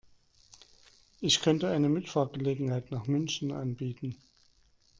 Ich könnte eine Mitfahrgelegenheit nach München anbieten